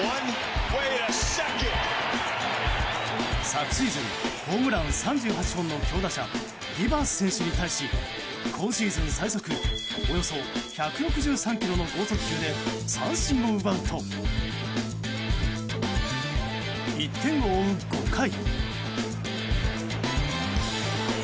昨シーズンホームラン３８本の強打者ディバース選手に対し今シーズン最速およそ１６３キロの剛速球で三振を奪うと１点を追う５回。